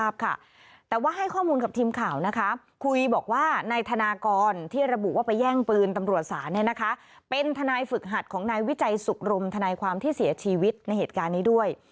เป็นทนายฝึกหัดของนายวิจัยสุขรมทนายความที่เสียชีวิตในเหตุการณ์นี้ด้วย